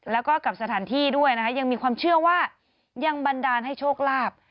แล้วก็กับสถานที่ด้วยนะคะยังมีความเชื่อว่ายังบันดาลให้โชคลาภ